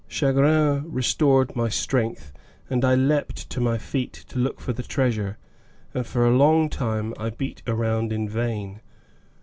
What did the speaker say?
Chagrin restored my strength and I leaped to my feet to look for the treasure, and for a long time I beat around in vain.